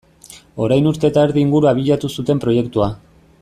Orain urte eta erdi inguru abiatu zuten proiektua.